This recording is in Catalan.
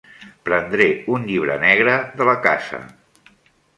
Prendré un llibre negre de la casa.